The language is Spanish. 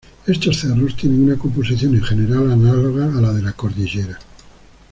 Estos cerros tienen una composición, en general, análoga a la de la cordillera.